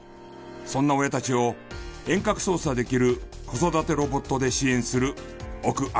そんな親たちを遠隔操作できる子育てロボットで支援する奥温子。